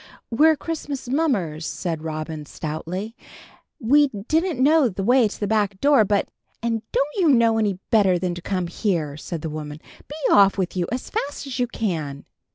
"We're Christmas mummers," said Robin, stoutly; "we didn't know the way to the back door, but " "And don't you know better than to come here?" said the woman. "Be off with you, as fast as you can."